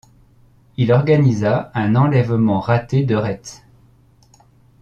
Il organisa un enlèvement raté de Retz.